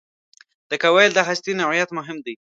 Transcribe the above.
د کوایل د هستې نوعیت مهم دی.